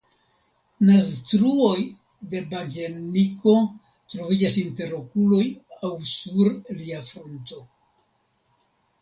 Naztruoj de bagjenniko troviĝas inter okuloj aŭ sur lia frunto.